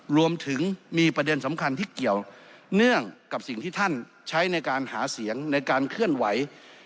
รวมถึงมีประเด็นสำคัญที่เกี่ยวเนื่องกับสิ่งที่ท่านใช้ในการหาเสียงในการเคลื่อนไหว